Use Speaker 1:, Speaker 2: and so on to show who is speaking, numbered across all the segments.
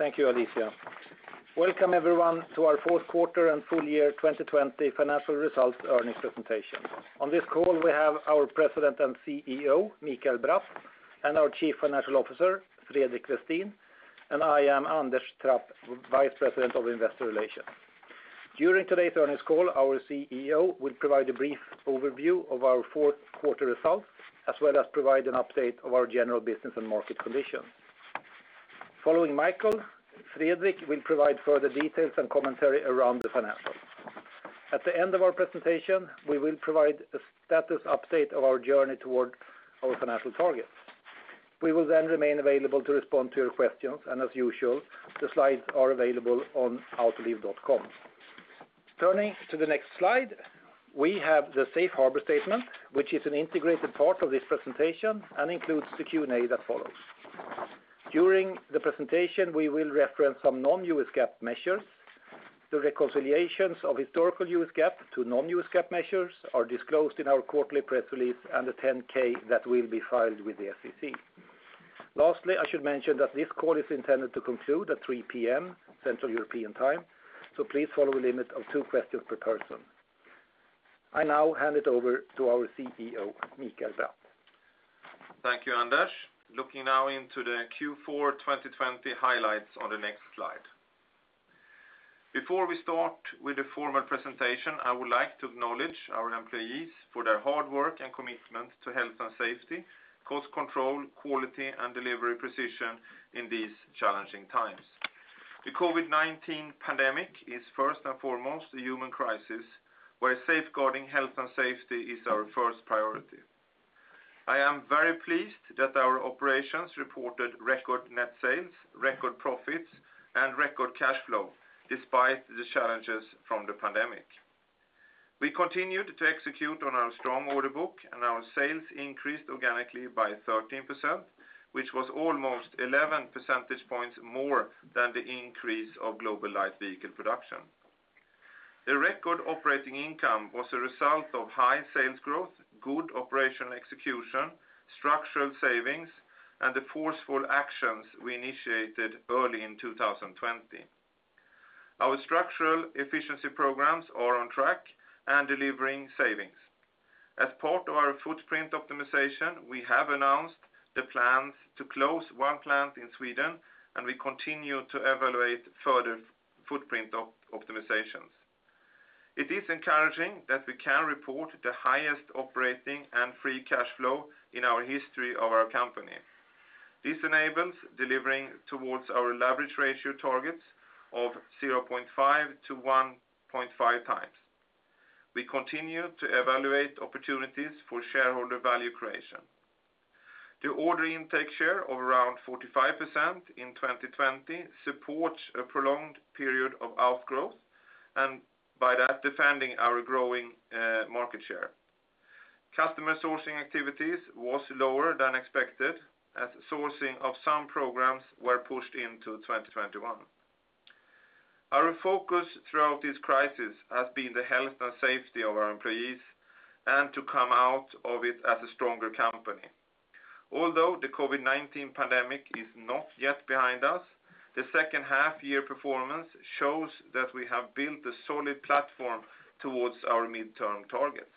Speaker 1: Thank you, Alicia. Welcome everyone to our fourth quarter and full year 2020 financial results earnings presentation. On this call, we have our President and CEO, Mikael Bratt, our Chief Financial Officer, Fredrik Westin, and I am Anders Trapp, Vice President of Investor Relations. During today's earnings call, our CEO will provide a brief overview of our fourth quarter results, as well as provide an update of our general business and market condition. Following Mikael, Fredrik will provide further details and commentary around the financials. At the end of our presentation, we will provide a status update of our journey toward our financial targets. We will then remain available to respond to your questions. As usual, the slides are available on autoliv.com. Turning to the next slide, we have the safe harbor statement, which is an integrated part of this presentation and includes the Q&A that follows. During the presentation, we will reference some non-US GAAP measures. The reconciliations of historical US GAAP to non-US GAAP measures are disclosed in our quarterly press release and the 10-K that will be filed with the SEC. Lastly, I should mention that this call is intended to conclude at 3:00 P.M., Central European Time. Please follow a limit of two questions per person. I now hand it over to our CEO, Mikael Bratt.
Speaker 2: Thank you, Anders. Looking now into the Q4 2020 highlights on the next slide. Before we start with the formal presentation, I would like to acknowledge our employees for their hard work and commitment to health and safety, cost control, quality, and delivery precision in these challenging times. The COVID-19 pandemic is first and foremost a human crisis, where safeguarding health and safety is our first priority. I am very pleased that our operations reported record net sales, record profits, and record cash flow despite the challenges from the pandemic. We continued to execute on our strong order book. Our sales increased organically by 13%, which was almost 11 percentage points more than the increase of global light vehicle production. The record operating income was a result of high sales growth, good operational execution, structural savings, and the forceful actions we initiated early in 2020. Our structural efficiency programs are on track and delivering savings. As part of our footprint optimization, we have announced the plans to close one plant in Sweden, and we continue to evaluate further footprint optimizations. It is encouraging that we can report the highest operating and free cash flow in our history of our company. This enables delivering towards our leverage ratio targets of 0.5 to 1.5x. We continue to evaluate opportunities for shareholder value creation. The order intake share of around 45% in 2020 supports a prolonged period of outgrowth, and by that, defending our growing market share. Customer sourcing activities was lower than expected as sourcing of some programs were pushed into 2021. Our focus throughout this crisis has been the health and safety of our employees and to come out of it as a stronger company. Although the COVID-19 pandemic is not yet behind us, the second half-year performance shows that we have built a solid platform towards our midterm targets.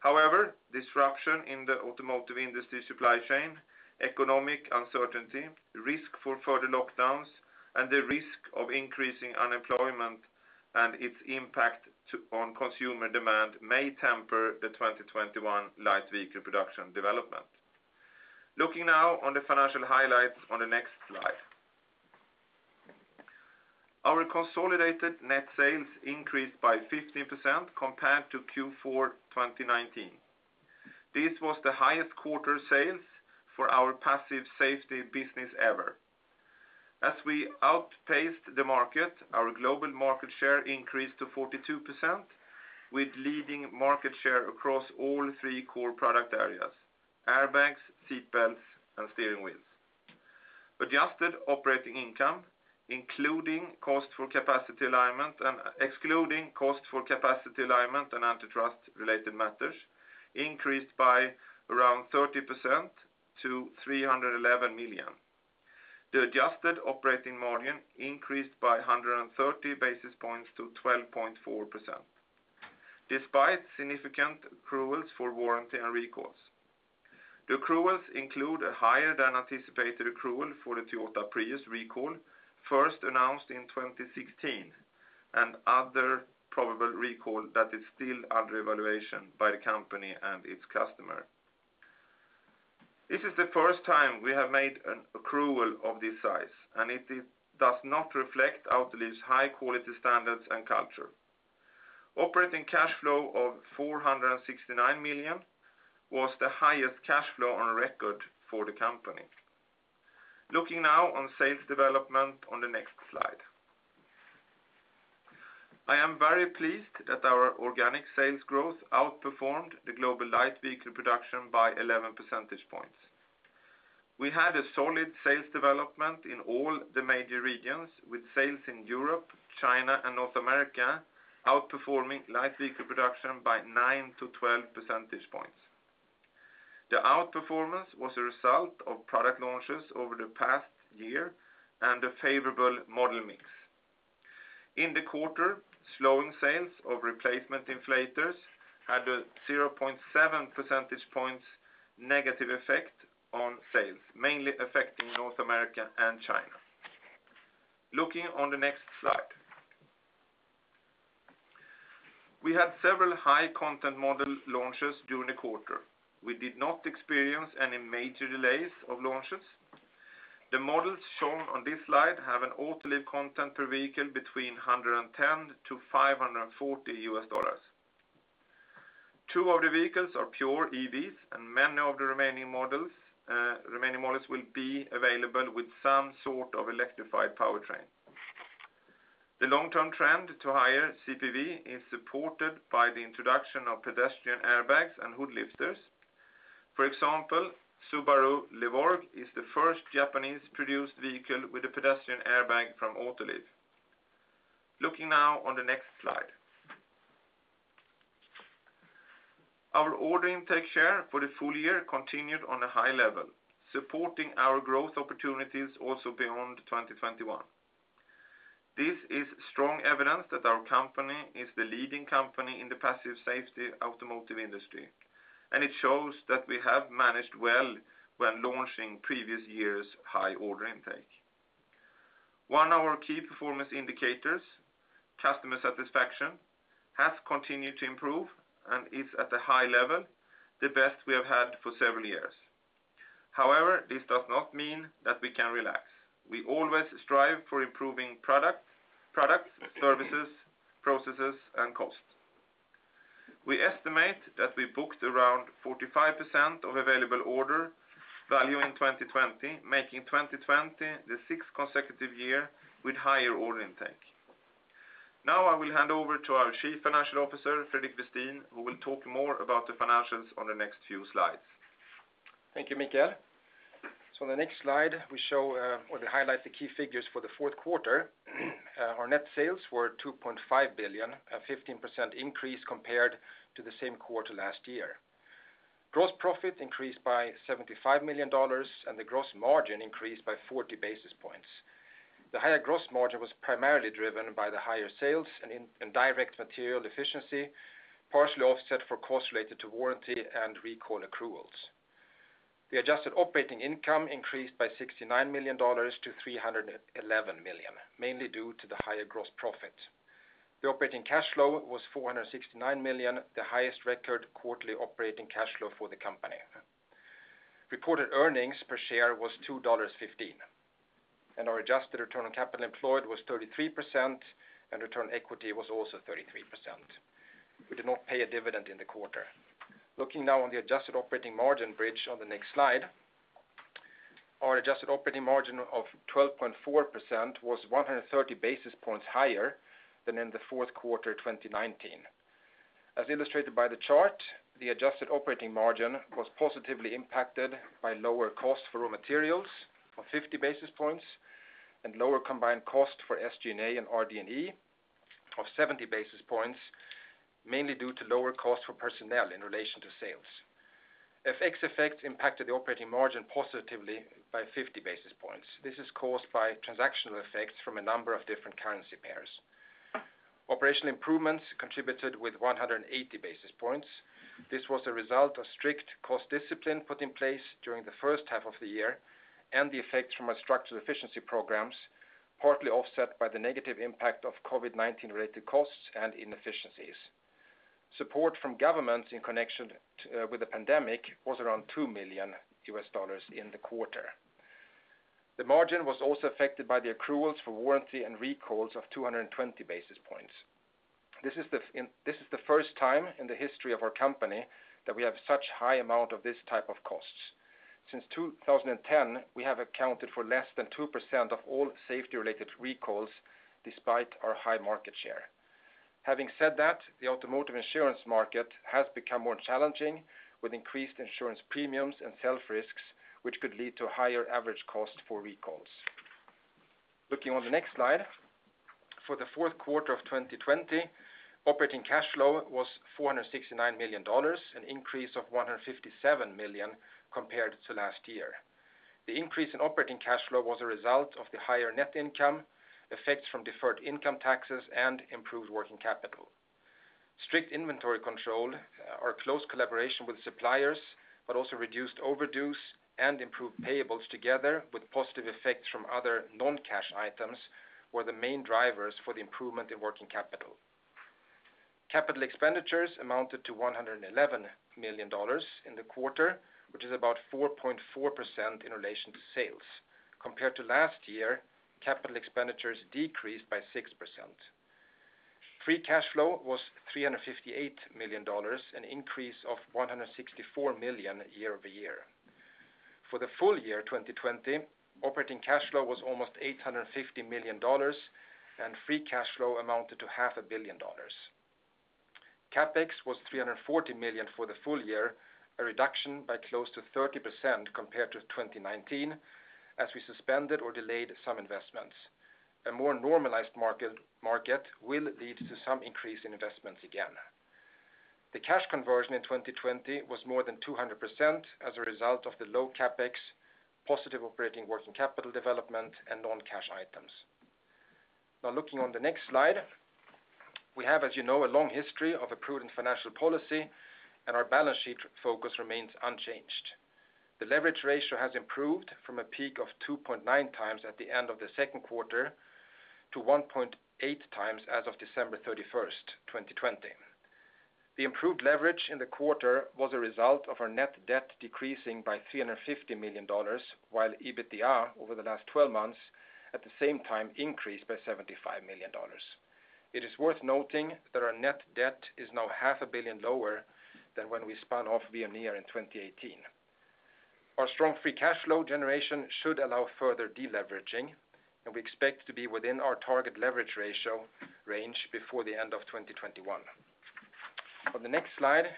Speaker 2: However, disruption in the automotive industry supply chain, economic uncertainty, risk for further lockdowns, and the risk of increasing unemployment and its impact on consumer demand may temper the 2021 light vehicle production development. Looking now on the financial highlights on the next slide. Our consolidated net sales increased by 15% compared to Q4 2019. This was the highest quarter sales for our passive safety business ever. As we outpaced the market, our global market share increased to 42%, with leading market share across all three core product areas: airbags, seat belts, and steering wheels. Adjusted operating income, excluding cost for capacity alignment and antitrust related matters, increased by around 30% to 311 million. The adjusted operating margin increased by 130 basis points to 12.4%, despite significant accruals for warranty and recalls. The accruals include a higher than anticipated accrual for the Toyota Prius recall, first announced in 2016, and other probable recall that is still under evaluation by the company and its customer. This is the first time we have made an accrual of this size, and it does not reflect Autoliv's high-quality standards and culture. Operating cash flow of $469 million was the highest cash flow on record for the company. Looking now on sales development on the next slide. I am very pleased that our organic sales growth outperformed the global light vehicle production by 11 percentage points. We had a solid sales development in all the major regions, with sales in Europe, China, and North America outperforming light vehicle production by 9 to 12 percentage points. The outperformance was a result of product launches over the past year and a favorable model mix. In the quarter, slowing sales of replacement inflators had a 0.7 percentage points negative effect on sales, mainly affecting North America and China. Looking on the next slide. We had several high content model launches during the quarter. We did not experience any major delays of launches. The models shown on this slide have an Autoliv content per vehicle between 110 to $540. Two of the vehicles are pure EVs, and many of the remaining models will be available with some sort of electrified powertrain. The long-term trend to higher CPV is supported by the introduction of pedestrian airbags and hood lifters. For example, Subaru Levorg is the first Japanese-produced vehicle with a pedestrian airbag from Autoliv. Looking now on the next slide. Our order intake share for the full year continued on a high level, supporting our growth opportunities also beyond 2021. This is strong evidence that our company is the leading company in the passive safety automotive industry, and it shows that we have managed well when launching previous years' high order intake. One of our key performance indicators, customer satisfaction, has continued to improve and is at a high level, the best we have had for several years. However, this does not mean that we can relax. We always strive for improving product, services, processes, and cost. We estimate that we booked around 45% of available order value in 2020, making 2020 the sixth consecutive year with higher order intake. Now I will hand over to our Chief Financial Officer, Fredrik Westin, who will talk more about the financials on the next few slides.
Speaker 3: Thank you, Mikael. On the next slide, we show or we highlight the key figures for the fourth quarter. Our net sales were $2.5 billion, a 15% increase compared to the same quarter last year. Gross profit increased by $75 million, and the gross margin increased by 40 basis points. The higher gross margin was primarily driven by the higher sales and direct material efficiency, partially offset for costs related to warranty and recall accruals. The adjusted operating income increased by $69 million to $311 million, mainly due to the higher gross profit. The operating cash flow was $469 million, the highest record quarterly operating cash flow for the company. Reported earnings per share was $2.15, and our adjusted return on capital employed was 33%, and return equity was also 33%. We did not pay a dividend in the quarter. Looking now on the adjusted operating margin bridge on the next slide. Our adjusted operating margin of 12.4% was 130 basis points higher than in the fourth quarter 2019. As illustrated by the chart, the adjusted operating margin was positively impacted by lower cost for raw materials of 50 basis points and lower combined cost for SG&A and RD&E of 70 basis points, mainly due to lower cost for personnel in relation to sales. FX effect impacted the operating margin positively by 50 basis points. This is caused by transactional effects from a number of different currency pairs. Operational improvements contributed with 180 basis points. This was a result of strict cost discipline put in place during the first half of the year and the effect from our structural efficiency programs, partly offset by the negative impact of COVID-19 related costs and inefficiencies. Support from government in connection with the pandemic was around $2 million in the quarter. The margin was also affected by the accruals for warranty and recalls of 220 basis points. This is the first time in the history of our company that we have such high amount of this type of costs. Since 2010, we have accounted for less than 2% of all safety-related recalls despite our high market share. Having said that, the automotive insurance market has become more challenging with increased insurance premiums and self-risks, which could lead to higher average cost for recalls. Looking on the next slide. For the fourth quarter of 2020, operating cash flow was $469 million, an increase of $157 million compared to last year. The increase in operating cash flow was a result of the higher net income, effects from deferred income taxes, and improved working capital. Strict inventory control, our close collaboration with suppliers, but also reduced overdues and improved payables together with positive effects from other non-cash items, were the main drivers for the improvement in working capital. Capital expenditures amounted to $111 million in the quarter, which is about 4.4% in relation to sales. Compared to last year, capital expenditures decreased by 6%. Free cash flow was $358 million, an increase of $164 million year-over-year. For the full year 2020, operating cash flow was almost $850 million, and free cash flow amounted to half a billion dollars. CapEx was $340 million for the full year, a reduction by close to 30% compared to 2019, as we suspended or delayed some investments. A more normalized market will lead to some increase in investments again. The cash conversion in 2020 was more than 200% as a result of the low CapEx, positive operating working capital development, and non-cash items. Now looking on the next slide. We have, as you know, a long history of a prudent financial policy, and our balance sheet focus remains unchanged. The leverage ratio has improved from a peak of 2.9x at the end of the second quarter to 1.8x as of December 31st, 2020. The improved leverage in the quarter was a result of our net debt decreasing by $350 million, while EBITDA over the last 12 months at the same time increased by $75 million. It is worth noting that our net debt is now half a billion lower than when we spun off Veoneer in 2018. Our strong free cash flow generation should allow further deleveraging, and we expect to be within our target leverage ratio range before the end of 2021. On the next slide,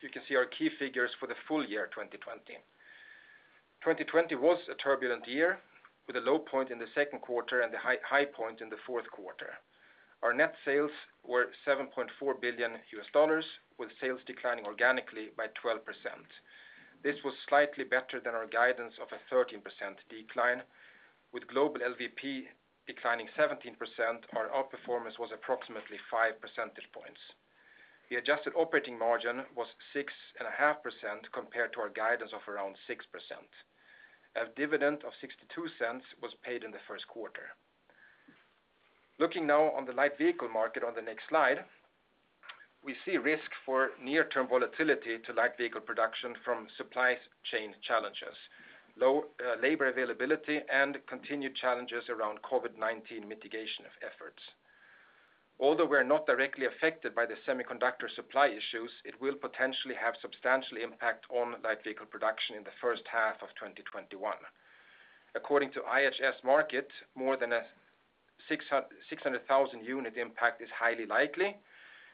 Speaker 3: you can see our key figures for the full year 2020. 2020 was a turbulent year, with a low point in the second quarter and a high point in the fourth quarter. Our net sales were $7.4 billion, with sales declining organically by 12%. This was slightly better than our guidance of a 13% decline. With global LVP declining 17%, our outperformance was approximately five percentage points. The adjusted operating margin was 6.5% compared to our guidance of around 6%. A dividend of $0.62 was paid in the first quarter. Looking now on the light vehicle market on the next slide, we see risk for near-term volatility to light vehicle production from supply chain challenges, low labor availability, and continued challenges around COVID-19 mitigation of efforts. Although we're not directly affected by the semiconductor supply issues, it will potentially have substantial impact on light vehicle production in the first half of 2021. According to IHS Markit, more than a 600,000 unit impact is highly likely,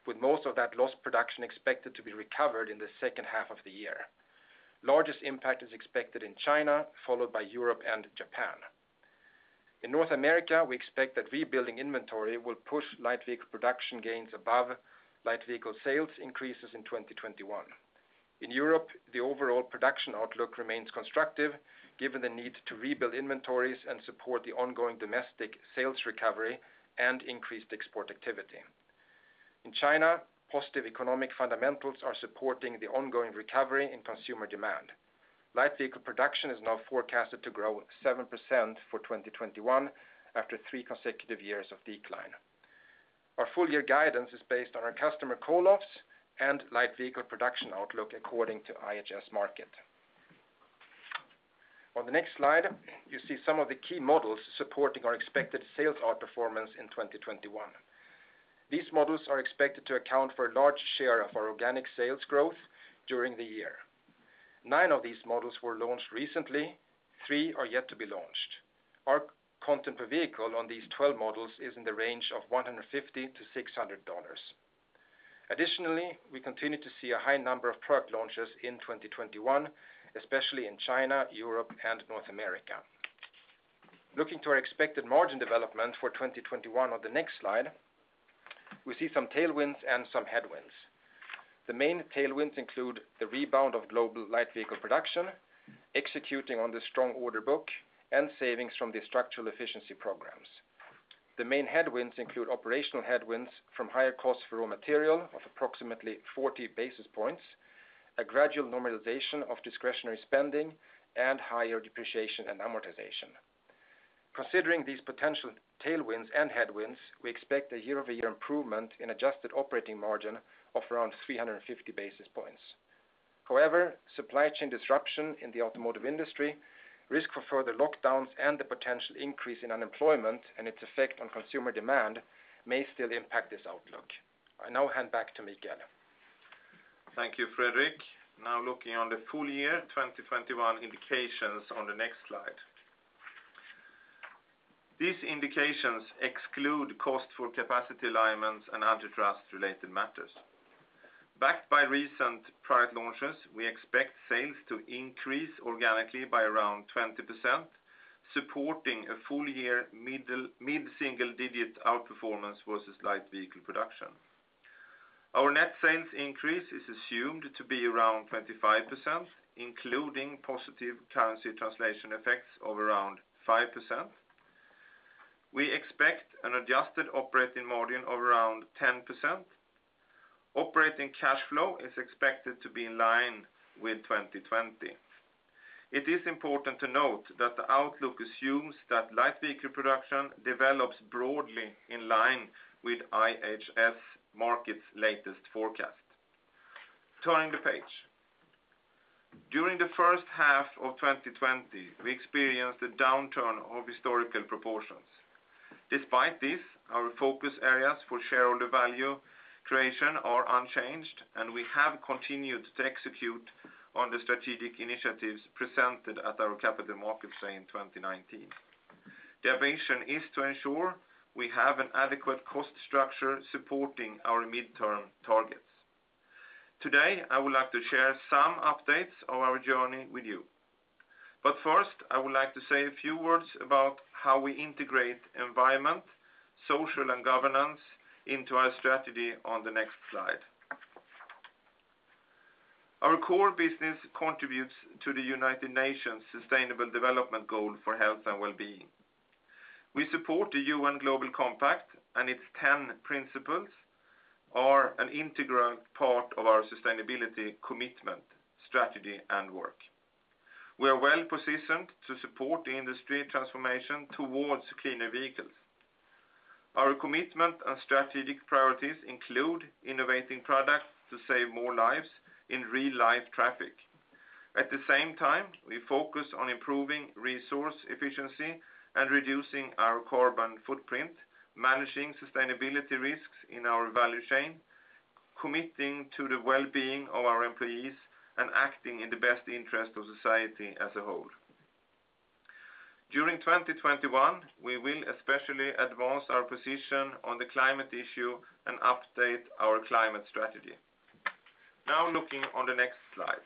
Speaker 3: with most of that lost production expected to be recovered in the second half of the year. Largest impact is expected in China, followed by Europe and Japan. In North America, we expect that rebuilding inventory will push light vehicle production gains above light vehicle sales increases in 2021. In Europe, the overall production outlook remains constructive given the need to rebuild inventories and support the ongoing domestic sales recovery and increased export activity. In China, positive economic fundamentals are supporting the ongoing recovery in consumer demand. Light vehicle production is now forecasted to grow 7% for 2021 after three consecutive years of decline. Our full year guidance is based on our customer call-offs and light vehicle production outlook, according to IHS Markit. On the next slide, you see some of the key models supporting our expected sales outperformance in 2021. These models are expected to account for a large share of our organic sales growth during the year. Nine of these models were launched recently. Three are yet to be launched. Our content per vehicle on these 12 models is in the range of $150-$600. Additionally, we continue to see a high number of product launches in 2021, especially in China, Europe, and North America. Looking to our expected margin development for 2021 on the next slide, we see some tailwinds and some headwinds. The main tailwinds include the rebound of global light vehicle production, executing on the strong order book, and savings from the structural efficiency programs. The main headwinds include operational headwinds from higher costs for raw material of approximately 40 basis points, a gradual normalization of discretionary spending, and higher depreciation and amortization. Considering these potential tailwinds and headwinds, we expect a year-over-year improvement in adjusted operating margin of around 350 basis points. Supply chain disruption in the automotive industry, risk for further lockdowns, and the potential increase in unemployment and its effect on consumer demand may still impact this outlook. I now hand back to Mikael.
Speaker 2: Thank you, Fredrik. Now looking on the full year 2021 indications on the next slide. These indications exclude cost for capacity alignments and antitrust related matters. Backed by recent product launches, we expect sales to increase organically by around 20%, supporting a full year mid-single digit outperformance versus light vehicle production. Our net sales increase is assumed to be around 25%, including positive currency translation effects of around 5%. We expect an adjusted operating margin of around 10%. Operating cash flow is expected to be in line with 2020. It is important to note that the outlook assumes that light vehicle production develops broadly in line with IHS Markit's latest forecast. Turning the page. During the first half of 2020, we experienced a downturn of historical proportions. Despite this, our focus areas for shareholder value creation are unchanged, and we have continued to execute on the strategic initiatives presented at our Capital Markets Day in 2019. The ambition is to ensure we have an adequate cost structure supporting our midterm targets. Today, I would like to share some updates of our journey with you. First, I would like to say a few words about how we integrate environment, social, and governance into our strategy on the next slide. Our core business contributes to the United Nations Sustainable Development Goal for health and wellbeing. We support the UN Global Compact, and its 10 principles are an integral part of our sustainability commitment, strategy, and work. We are well-positioned to support the industry transformation towards cleaner vehicles. Our commitment and strategic priorities include innovating products to save more lives in real life traffic. At the same time, we focus on improving resource efficiency and reducing our carbon footprint, managing sustainability risks in our value chain, committing to the wellbeing of our employees, and acting in the best interest of society as a whole. During 2021, we will especially advance our position on the climate issue and update our climate strategy. Now looking on the next slide.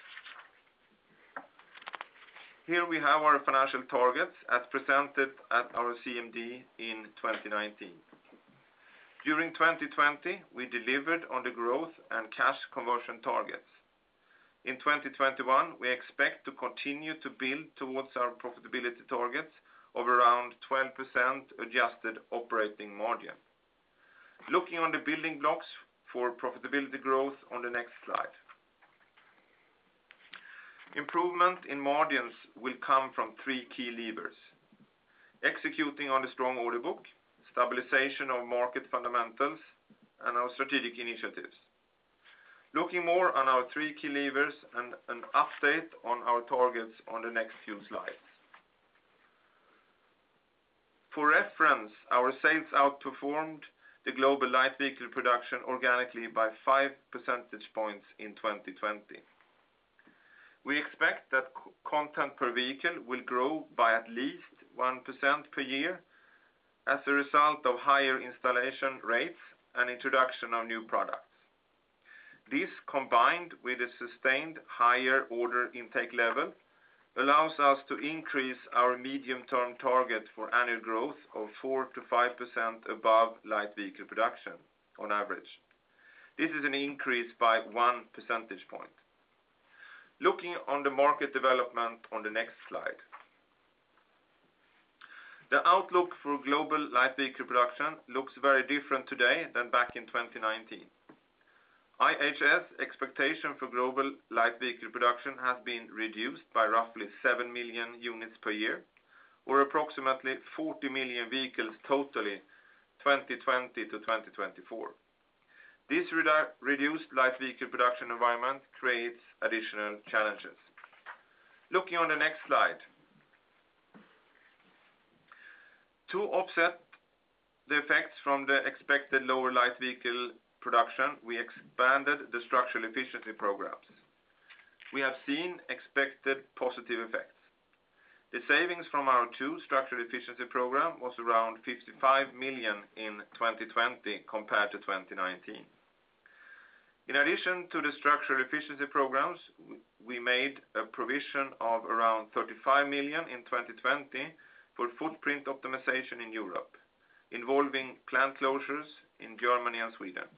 Speaker 2: Here we have our financial targets as presented at our CMD in 2019. During 2020, we delivered on the growth and cash conversion targets. In 2021, we expect to continue to build towards our profitability targets of around 12% adjusted operating margin. Looking on the building blocks for profitability growth on the next slide. Improvement in margins will come from three key levers: executing on a strong order book, stabilization of market fundamentals, and our strategic initiatives. Looking more on our three key levers and an update on our targets on the next few slides. For reference, our sales outperformed the global light vehicle production organically by 5% points in 2020. We expect that content per vehicle will grow by at least 1% per year as a result of higher installation rates and introduction of new products. This, combined with a sustained higher order intake level, allows us to increase our medium-term target for annual growth of 4%-5% above light vehicle production on average. This is an increase by one percentage point. Looking on the market development on the next slide. The outlook for global light vehicle production looks very different today than back in 2019. IHS expectation for global light vehicle production has been reduced by roughly 7 million units per year, or approximately 40 million vehicles totally 2020-2024. This reduced light vehicle production environment creates additional challenges. Looking on the next slide. To offset the effects from the expected lower light vehicle production, we expanded the structural efficiency programs. We have seen expected positive effects. The savings from our two structural efficiency program was around 55 million in 2020 compared to 2019. In addition to the structural efficiency programs, we made a provision of around 35 million in 2020 for footprint optimization in Europe, involving plant closures in Germany and Sweden.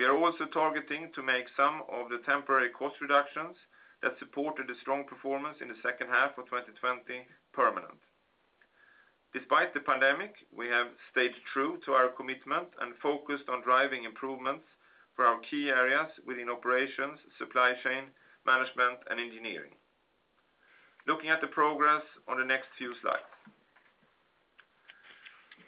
Speaker 2: We are also targeting to make some of the temporary cost reductions that supported a strong performance in the second half of 2020 permanent. Despite the pandemic, we have stayed true to our commitment and focused on driving improvements for our key areas within operations, supply chain management, and engineering. Looking at the progress on the next few slides.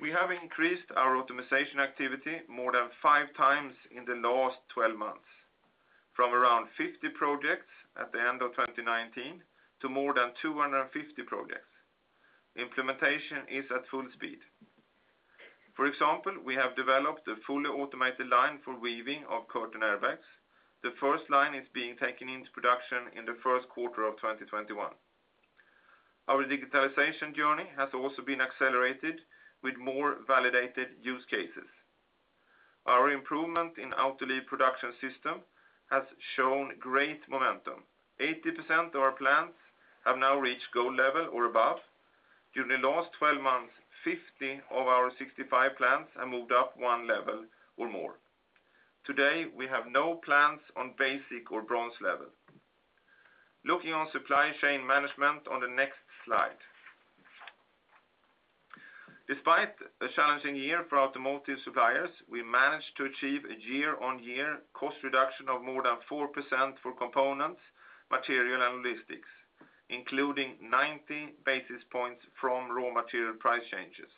Speaker 2: We have increased our optimization activity more than 5x in the last 12 months, from around 50 projects at the end of 2019 to more than 250 projects. Implementation is at full speed. For example, we have developed a fully automated line for weaving of curtain airbags. The first line is being taken into production in the first quarter of 2021. Our digitalization journey has also been accelerated with more validated use cases. Our improvement in Autoliv Production System has shown great momentum. 80% of our plants have now reached gold level or above. During the last 12 months, 50 of our 65 plants have moved up one level or more. Today, we have no plants on basic or bronze level. Looking on supply chain management on the next slide. Despite a challenging year for automotive suppliers, we managed to achieve a year-over-year cost reduction of more than 4% for components, material, and logistics, including 90 basis points from raw material price changes.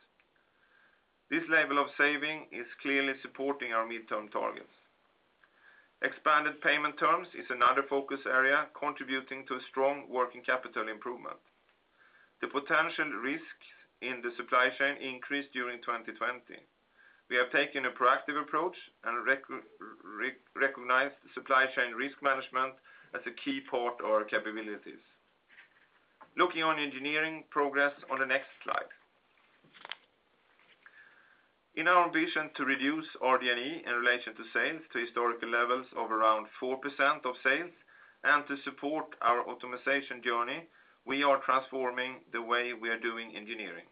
Speaker 2: This level of saving is clearly supporting our mid-term targets. Expanded payment terms is another focus area contributing to a strong working capital improvement. The potential risk in the supply chain increased during 2020. We have taken a proactive approach and recognized supply chain risk management as a key part of our capabilities. Looking on engineering progress on the next slide. In our ambition to reduce RD&E in relation to sales to historical levels of around 4% of sales and to support our automation journey, we are transforming the way we are doing engineering.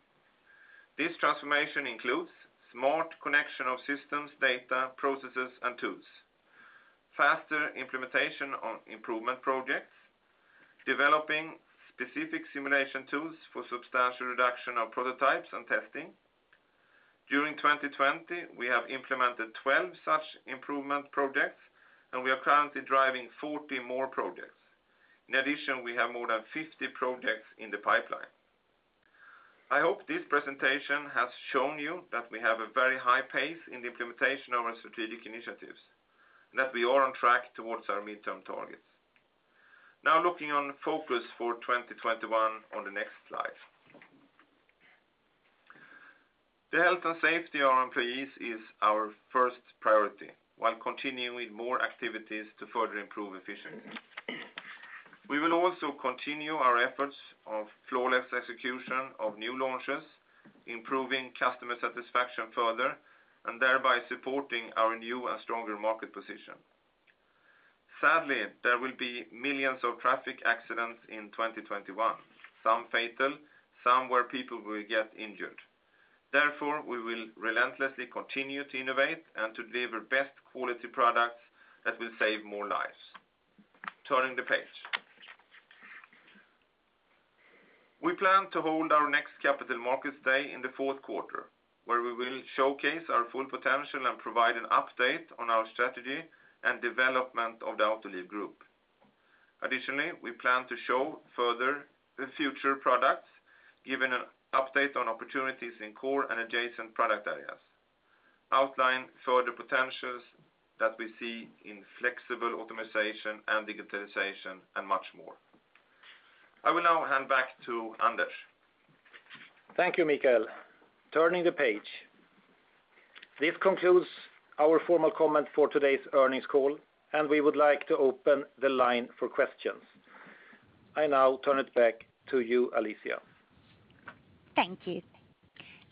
Speaker 2: This transformation includes smart connection of systems, data, processes, and tools, faster implementation on improvement projects, developing specific simulation tools for substantial reduction of prototypes and testing. During 2020, we have implemented 12 such improvement projects, and we are currently driving 40 more projects. In addition, we have more than 50 projects in the pipeline. I hope this presentation has shown you that we have a very high pace in the implementation of our strategic initiatives, and that we are on track towards our midterm targets. Now looking on focus for 2021 on the next slide. The health and safety of our employees is our first priority, while continuing more activities to further improve efficiency. We will also continue our efforts of flawless execution of new launches, improving customer satisfaction further, and thereby supporting our new and stronger market position. Sadly, there will be millions of traffic accidents in 2021, some fatal, some where people will get injured. Therefore, we will relentlessly continue to innovate and to deliver best quality products that will save more lives. Turning the page. We plan to hold our next Capital Markets Day in the fourth quarter, where we will showcase our full potential and provide an update on our strategy and development of the Autoliv group. Additionally, we plan to show further the future products, give an update on opportunities in core and adjacent product areas, outline further potentials that we see in flexible automation and digitalization, and much more. I will now hand back to Anders.
Speaker 1: Thank you, Mikael. Turning the page. This concludes our formal comment for today's earnings call, and we would like to open the line for questions. I now turn it back to you, Alicia.
Speaker 4: Thank you.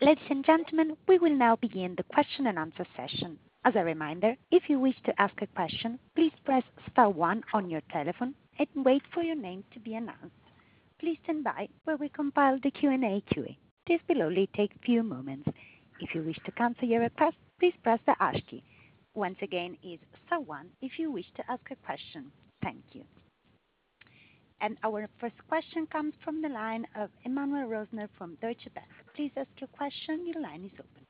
Speaker 4: Ladies and gentlemen, we will now begin the question and answer session. As a reminder, if you wish to ask a question, please press star one on your telephone and wait for your name to be announced. Please stand by while we compile the Q&A queue. This will only take a few moments. If you wish to cancel your request, please press the hash key. Once again, it's star one if you wish to ask a question. Thank you. Our first question comes from the line of Emmanuel Rosner from Deutsche Bank. Please ask your question. Your line is open.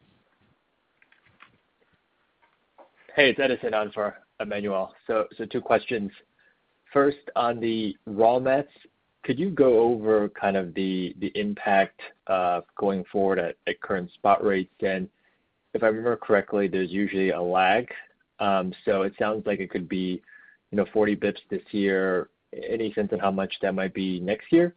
Speaker 5: Hey, it's Edison on for Emmanuel. Two questions. First, on the raw materials, could you go over kind of the impact of going forward at current spot rates? If I remember correctly, there's usually a lag. It sounds like it could be 40 basis points this year. Any sense of how much that might be next year?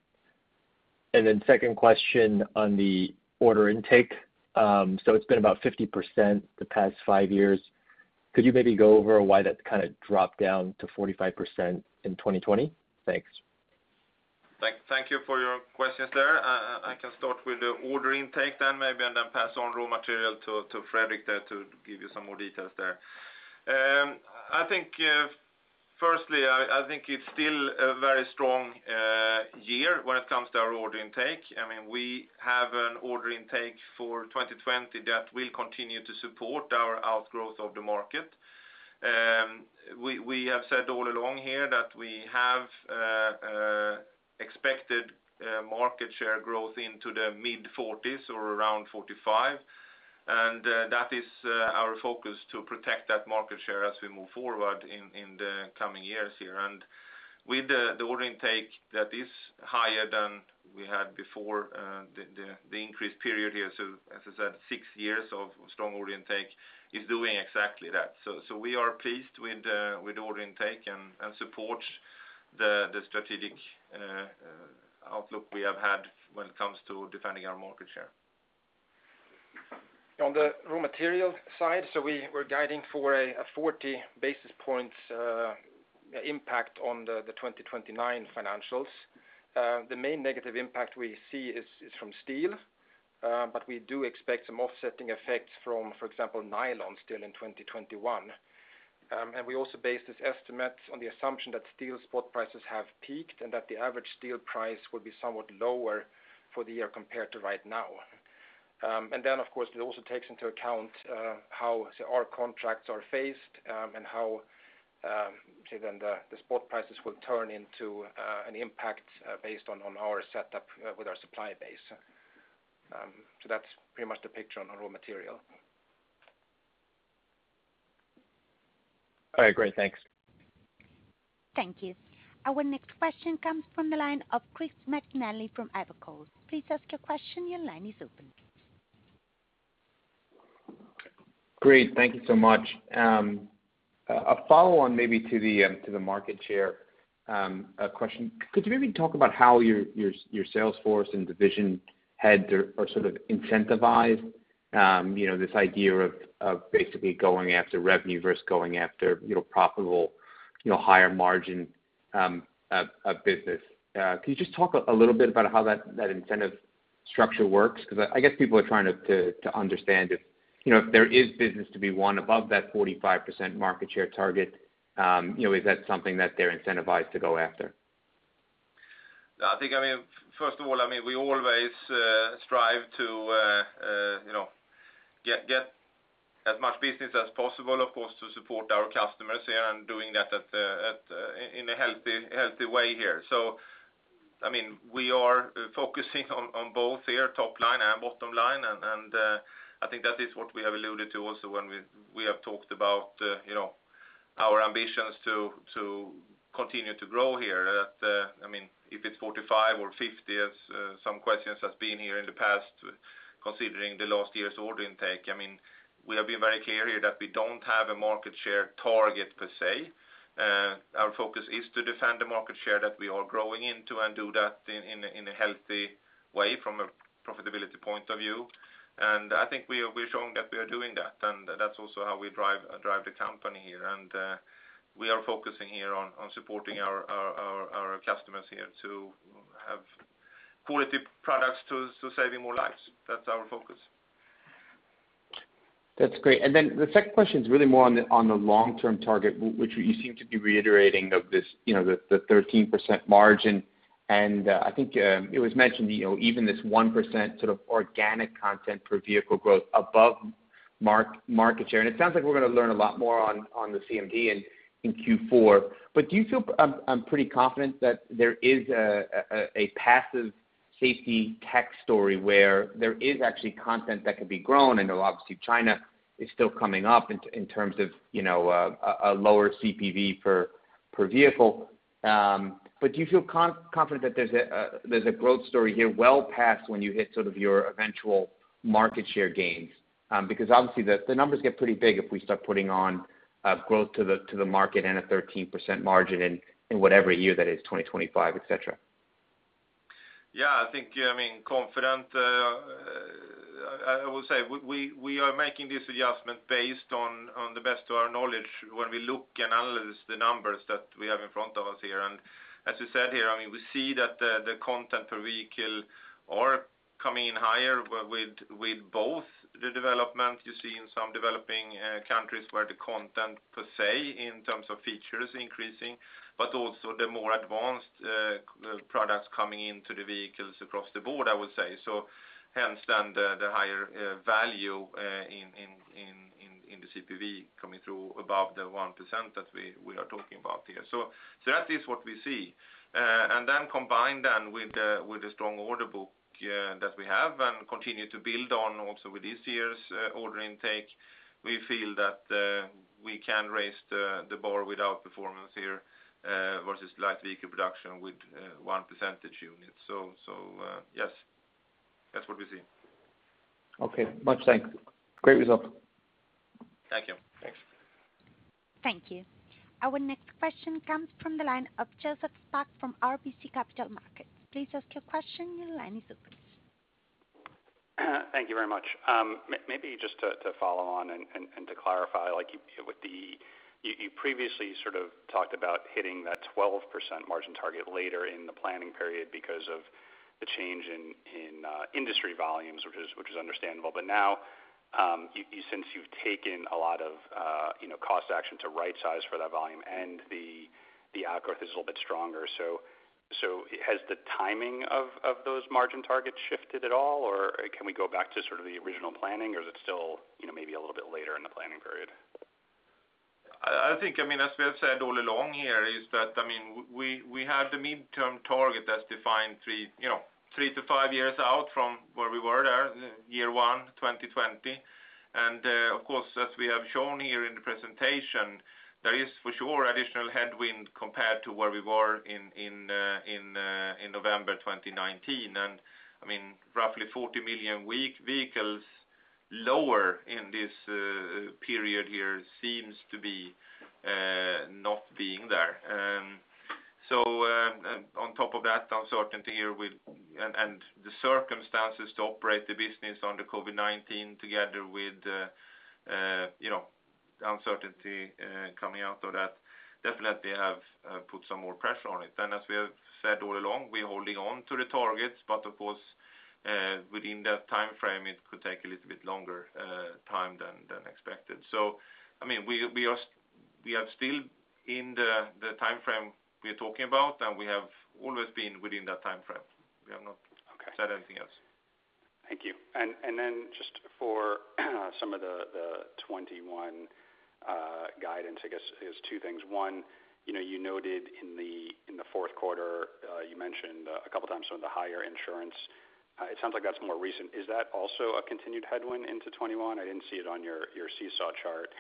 Speaker 5: Second question on the order intake. It's been about 50% the past five years. Could you maybe go over why that kind of dropped down to 45% in 2020? Thanks.
Speaker 2: Thank you for your questions there. I can start with the order intake maybe, and then pass on raw material to Fredrik there to give you some more details there. Firstly, I think it's still a very strong year when it comes to our order intake. We have an order intake for 2020 that will continue to support our outgrowth of the market. We have said all along here that we have expected market share growth into the mid-40s or around 45. That is our focus to protect that market share as we move forward in the coming years here. With the order intake that is higher than we had before, the increased period here. As I said, six years of strong order intake is doing exactly that. We are pleased with order intake and support the strategic outlook we have had when it comes to defending our market share.
Speaker 3: On the raw material side, we were guiding for a 40 basis points impact on the 2021 financials. The main negative impact we see is from steel, we do expect some offsetting effects from, for example, nylon still in 2021. We also base this estimate on the assumption that steel spot prices have peaked and that the average steel price will be somewhat lower for the year compared to right now. Of course, it also takes into account how our contracts are phased and how the spot prices will turn into an impact based on our setup with our supply base. That's pretty much the picture on our raw material.
Speaker 5: All right, great. Thanks.
Speaker 4: Thank you. Our next question comes from the line of Chris McNally from Evercore. Please ask your question. Your line is open.
Speaker 6: Great. Thank you so much. A follow-on maybe to the market share question. Could you maybe talk about how your sales force and division heads are sort of incentivized? This idea of basically going after revenue versus going after profitable higher margin of business. Can you just talk a little bit about how that incentive structure works? I guess people are trying to understand if there is business to be won above that 45% market share target, is that something that they're incentivized to go after?
Speaker 2: I think, first of all, we always strive to get as much business as possible, of course, to support our customers here and doing that in a healthy way here. We are focusing on both here, top line and bottom line, and I think that is what we have alluded to also when we have talked about our ambitions to continue to grow here. If it's 45 or 50, as some questions have been here in the past, considering the last year's order intake. We have been very clear here that we don't have a market share target per se. Our focus is to defend the market share that we are growing into and do that in a healthy way from a profitability point of view. I think we've shown that we are doing that, and that's also how we drive the company here. We are focusing here on supporting our customers here to have quality products to saving more lives. That's our focus.
Speaker 6: That's great. The second question is really more on the long-term target, which you seem to be reiterating of the 13% margin. I think it was mentioned, even this 1% sort of organic content per vehicle growth above market share. It sounds like we're going to learn a lot more on the CMD in Q4. Do you feel pretty confident that there is a passive safety tech story where there is actually content that could be grown? I know obviously China is still coming up in terms of a lower CPV per vehicle. Do you feel confident that there's a growth story here well past when you hit sort of your eventual market share gains? Because obviously the numbers get pretty big if we start putting on growth to the market and a 13% margin in whatever year that is, 2025, et cetera.
Speaker 2: Yeah, I think, confident. I would say we are making this adjustment based on the best of our knowledge when we look and analyze the numbers that we have in front of us here. As you said here, we see that the content per vehicle are coming in higher with both the development you see in some developing countries where the content per se in terms of features increasing, but also the more advanced products coming into the vehicles across the board, I would say. Hence then the higher value in the CPV coming through above the 1% that we are talking about here. That is what we see. Combined then with the strong order book that we have and continue to build on also with this year's order intake, we feel that we can raise the bar with our performance here versus light vehicle production with one percentage unit. Yes. That's what we see.
Speaker 6: Okay. Much thanks. Great result.
Speaker 2: Thank you.
Speaker 4: Thank you. Our next question comes from the line of Joseph Spak from RBC Capital Markets.
Speaker 7: Thank you very much. Maybe just to follow on and to clarify, you previously sort of talked about hitting that 12% margin target later in the planning period because of the change in industry volumes, which is understandable. Now, since you've taken a lot of cost action to right size for that volume and the outlook is a little bit stronger. Has the timing of those margin targets shifted at all or can we go back to sort of the original planning or is it still maybe a little bit later in the planning period?
Speaker 2: I think, as we have said all along here, is that we have the midterm target that's defined three to five years out from where we were there, year one, 2020. Of course, as we have shown here in the presentation, there is for sure additional headwind compared to where we were in November 2019. Roughly 40 million vehicles lower in this period here seems to be not being there. On top of that uncertainty here and the circumstances to operate the business under COVID-19 together with the uncertainty coming out of that definitely have put some more pressure on it. As we have said all along, we're holding on to the targets, but of course within that time frame it could take a little bit longer time than expected. We are still in the time frame we're talking about and we have always been within that time frame. We have not said anything else.
Speaker 7: Thank you. Then just for some of the 2021 guidance, I guess, is two things. One, you noted in the fourth quarter, you mentioned a couple times some of the higher insurance. It sounds like that's more recent. Is that also a continued headwind into 2021? I didn't see it on your seesaw chart.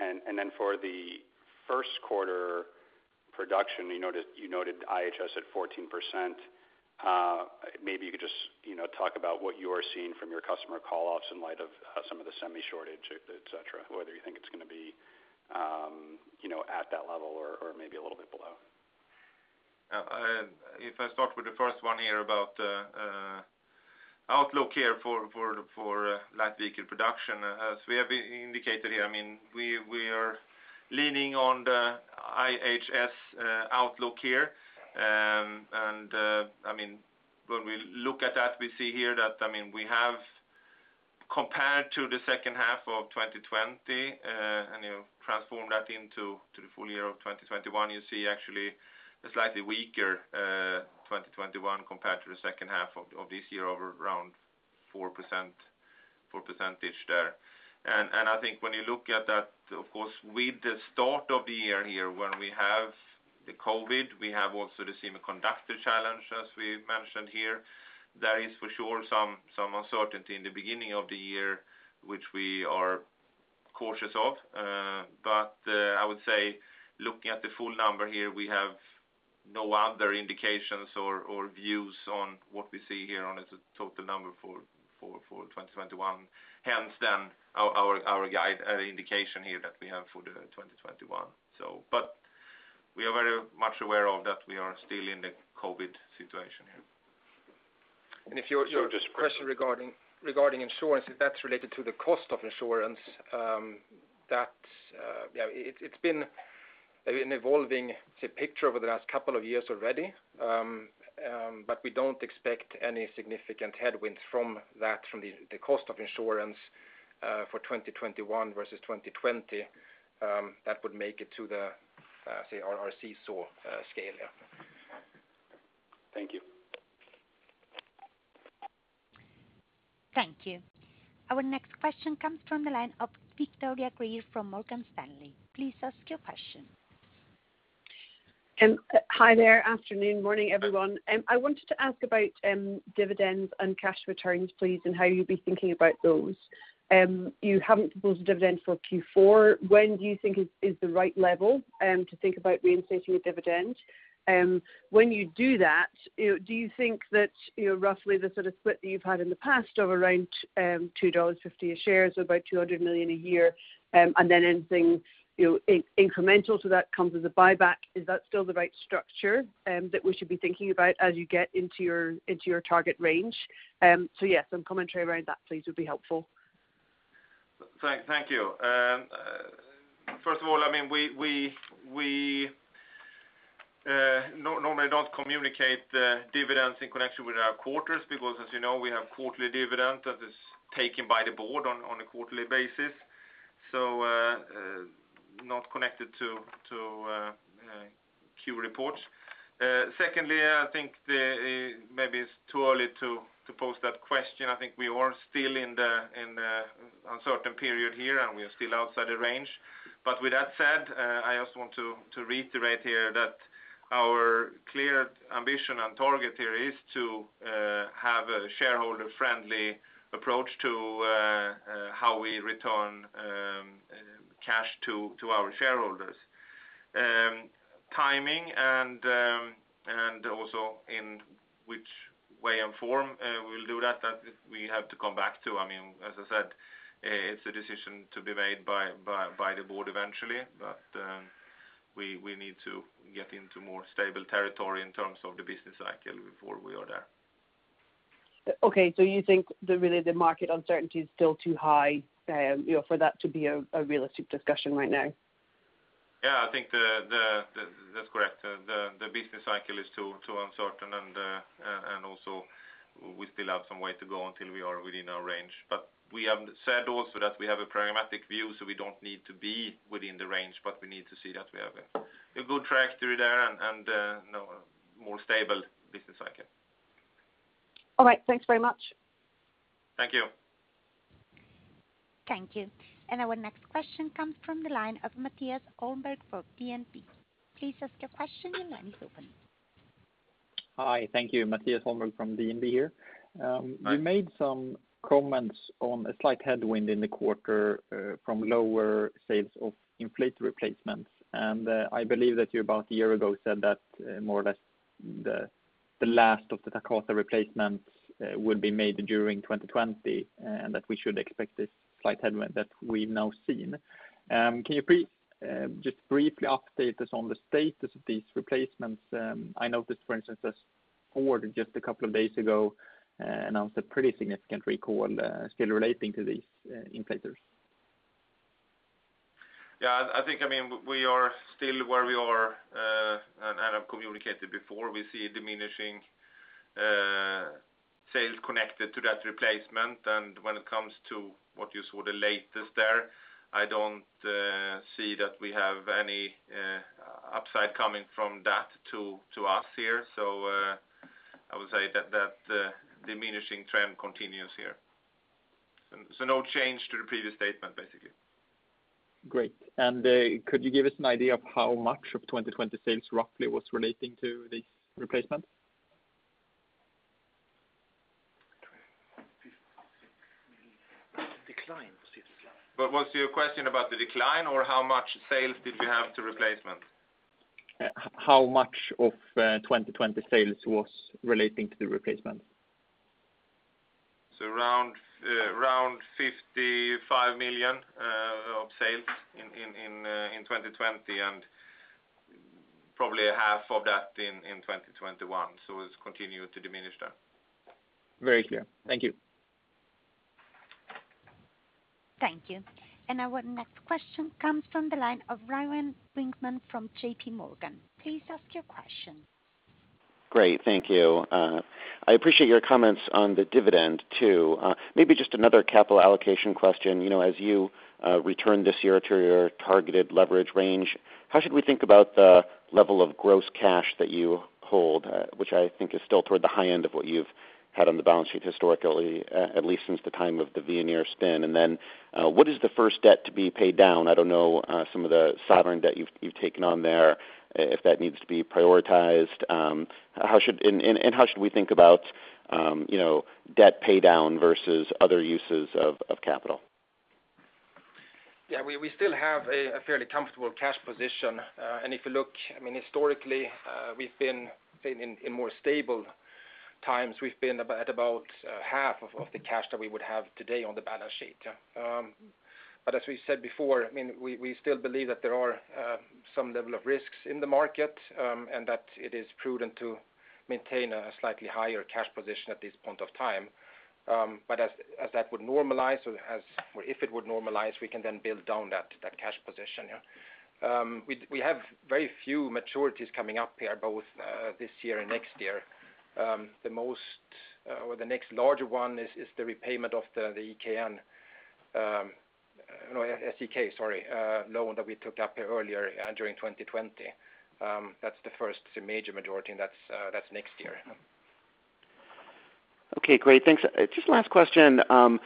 Speaker 7: Then for the first quarter production, you noted IHS at 14%. Maybe you could just talk about what you are seeing from your customer call-offs in light of some of the semi shortage, et cetera, whether you think it's going to be at that level or maybe a little bit below.
Speaker 2: If I start with the first one here about outlook here for light vehicle production. As we have indicated here, we are leaning on the IHS outlook here. When we look at that, we see here that we have, compared to the second half of 2020, and you transform that into the full year of 2021, you see actually a slightly weaker 2021 compared to the second half of this year of around 4% there. I think when you look at that, of course, with the start of the year here, when we have the COVID, we have also the semiconductor challenge, as we mentioned here. There is, for sure, some uncertainty in the beginning of the year, which we are cautious of. I would say, looking at the full number here, we have no other indications or views on what we see here on a total number for 2021, hence then our indication here that we have for 2021. We are very much aware of that we are still in the COVID-19 situation here.
Speaker 3: If your question regarding insurance, if that's related to the cost of insurance, it's been an evolving picture over the last couple of years already. We don't expect any significant headwinds from the cost of insurance for 2021 versus 2020 that would make it to the, say, our seesaw scale here.
Speaker 2: Thank you.
Speaker 4: Thank you. Our next question comes from the line of Victoria Greer from Morgan Stanley. Please ask your question.
Speaker 8: Hi there. Afternoon, morning, everyone. I wanted to ask about dividends and cash returns, please, and how you'd be thinking about those. You haven't proposed a dividend for Q4. When do you think is the right level to think about reinstating a dividend? When you do that, do you think that roughly the sort of split that you've had in the past of around $2.50 a share, so about $200 million a year, and then anything incremental to that comes as a buyback, is that still the right structure that we should be thinking about as you get into your target range? Yes, some commentary around that, please, would be helpful.
Speaker 2: Thank you. First of all, we normally don't communicate dividends in connection with our quarters because, as you know, we have quarterly dividend that is taken by the board on a quarterly basis. Not connected to Q reports. Secondly, I think maybe it's too early to pose that question. I think we are still in the uncertain period here, and we are still outside the range. With that said, I also want to reiterate here that our clear ambition and target here is to have a shareholder-friendly approach to how we return cash to our shareholders. Timing and also in which way and form we'll do that we have to come back to. As I said, it's a decision to be made by the board eventually. We need to get into more stable territory in terms of the business cycle before we are there.
Speaker 8: Okay. You think that really the market uncertainty is still too high for that to be a realistic discussion right now?
Speaker 2: Yeah, I think that's correct. The business cycle is too uncertain, and also we still have some way to go until we are within our range. We have said also that we have a pragmatic view, so we don't need to be within the range, but we need to see that we have a good trajectory there and a more stable business cycle.
Speaker 8: All right. Thanks very much.
Speaker 2: Thank you.
Speaker 4: Thank you. Our next question comes from the line of Mattias Holmberg for DNB. Please ask your question, your line is open.
Speaker 9: Hi. Thank you. Mattias Holmberg from DNB here.
Speaker 2: Hi.
Speaker 9: You made some comments on a slight headwind in the quarter from lower sales of inflator replacements. I believe that you, about a year ago, said that more or less the last of the Takata replacements would be made during 2020, and that we should expect this slight headwind that we've now seen. Can you just briefly update us on the status of these replacements? I noticed, for instance, that Ford, just a couple of days ago, announced a pretty significant recall still relating to these inflators.
Speaker 2: I think we are still where we are, I've communicated before, we see diminishing sales connected to that replacement. When it comes to what you saw the latest there, I don't see that we have any upside coming from that to us here. I would say that diminishing trend continues here. No change to the previous statement, basically.
Speaker 9: Great. Could you give us an idea of how much of 2020 sales roughly was relating to these replacements?
Speaker 2: Decline. $56 million decline. Was your question about the decline or how much sales did we have to replacement?
Speaker 9: How much of 2020 sales was relating to the replacement?
Speaker 2: around $55 million of sales in 2020, and probably half of that in 2021. It's continued to diminish that.
Speaker 9: Very clear. Thank you.
Speaker 4: Thank you. Our next question comes from the line of Ryan Brinkman from JPMorgan. Please ask your question.
Speaker 10: Great. Thank you. I appreciate your comments on the dividend too. Maybe just another capital allocation question. As you return this year to your targeted leverage range, how should we think about the level of gross cash that you hold, which I think is still toward the high end of what you've had on the balance sheet historically, at least since the time of the Veoneer spin? What is the first debt to be paid down? I don't know some of the sovereign debt you've taken on there, if that needs to be prioritized. How should we think about debt paydown versus other uses of capital?
Speaker 3: Yeah, we still have a fairly comfortable cash position. If you look, historically, we've been in more stable times. We've been at about half of the cash that we would have today on the balance sheet. As we said before, we still believe that there are some level of risks in the market, and that it is prudent to maintain a slightly higher cash position at this point of time. As that would normalize, or if it would normalize, we can then build down that cash position. We have very few maturities coming up here, both this year and next year. The next larger one is the repayment of the EKN-- SEK, sorry, loan that we took up earlier during 2020. That's the first major maturity, and that's next year.
Speaker 10: Okay, great. Thanks. Just last question, on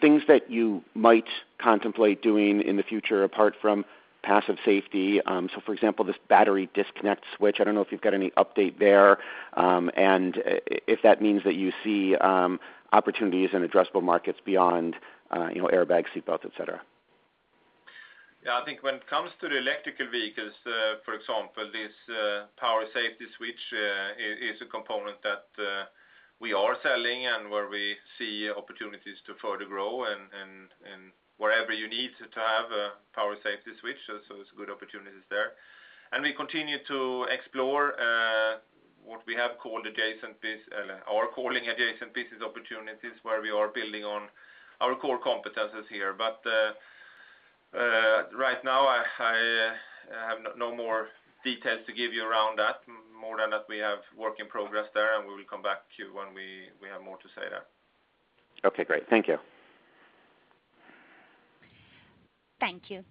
Speaker 10: things that you might contemplate doing in the future apart from passive safety. For example, this battery disconnect switch, I don't know if you've got any update there, and if that means that you see opportunities and addressable markets beyond airbag, seat belts, et cetera.
Speaker 2: Yeah, I think when it comes to the electrical vehicles, for example, this Pyrotechnic Safety Switch is a component that we are selling and where we see opportunities to further grow and wherever you need to have a Pyrotechnic Safety Switch. It's good opportunities there. We continue to explore what we are calling adjacent pieces opportunities where we are building on our core competencies here. Right now, I have no more details to give you around that, more than that we have work in progress there, and we will come back to you when we have more to say there.
Speaker 10: Okay, great. Thank you.
Speaker 4: Thank you.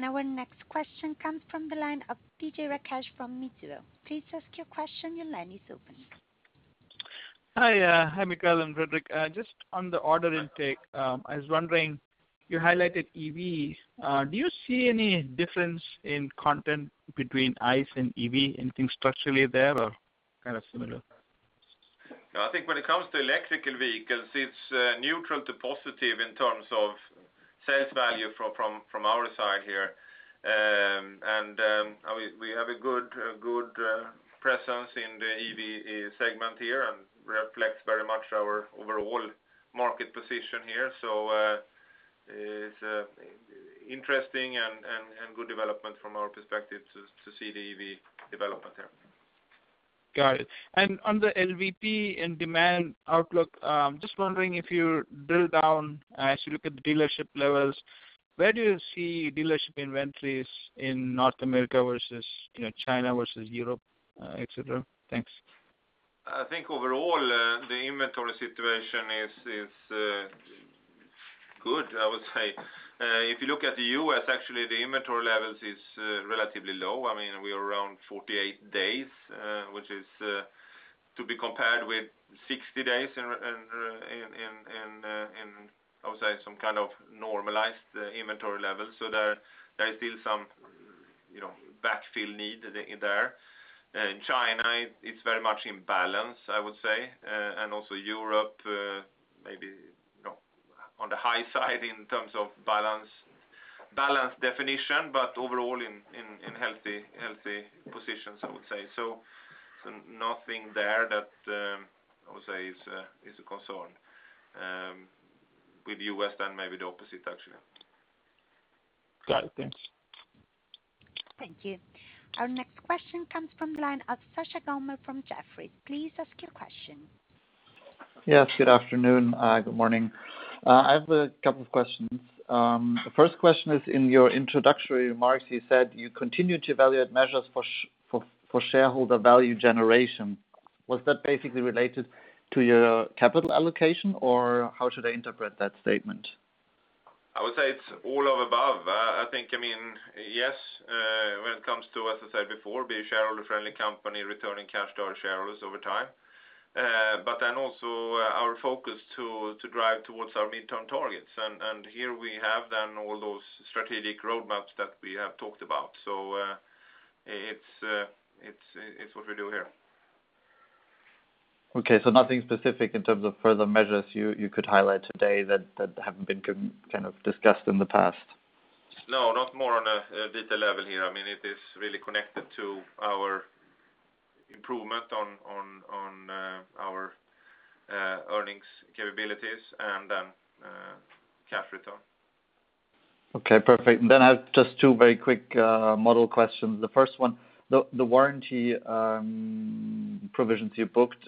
Speaker 4: Our next question comes from the line of Vijay Rakesh from Mizuho. Please ask your question, your line is open.
Speaker 11: Hi, Mikael and Fredrik. Just on the order intake, I was wondering, you highlighted EV, do you see any difference in content between ICE and EV? Anything structurally there or kind of similar?
Speaker 2: I think when it comes to electrical vehicles, it's neutral to positive in terms of sales value from our side here. We have a good presence in the EV segment here and reflects very much our overall market position here. It's interesting and good development from our perspective to see the EV development there.
Speaker 11: Got it. On the LVP and demand outlook, I'm just wondering if you drill down as you look at the dealership levels, where do you see dealership inventories in North America versus China versus Europe, et cetera? Thanks.
Speaker 2: I think overall, the inventory situation is good, I would say. If you look at the U.S., actually, the inventory levels is relatively low. We are around 48 days, which is to be compared with 60 days in, I would say, some kind of normalized inventory level. There is still some backfill need there. In China, it's very much in balance, I would say, and also Europe, maybe on the high side in terms of balance definition, but overall in healthy positions, I would say. Nothing there that I would say is a concern. With U.S., maybe the opposite, actually.
Speaker 11: Got it. Thanks.
Speaker 4: Thank you. Our next question comes from the line of Sasha Gommel from Jefferies. Please ask your question.
Speaker 12: Yes, good afternoon. Good morning. I have a couple of questions. The first question is in your introductory remarks, you said you continue to evaluate measures for shareholder value generation. Was that basically related to your capital allocation, or how should I interpret that statement?
Speaker 2: I would say it's all of above. I think, yes, when it comes to, as I said before, being a shareholder-friendly company, returning cash to our shareholders over time. Also our focus to drive towards our midterm targets. Here we have then all those strategic roadmaps that we have talked about. It's what we do here.
Speaker 12: Okay, nothing specific in terms of further measures you could highlight today that haven't been kind of discussed in the past?
Speaker 2: No, not more on a detail level here. It is really connected to our improvement on our earnings capabilities and then cash return.
Speaker 12: Okay, perfect. I have just two very quick model questions. The first one, the warranty provisions you booked,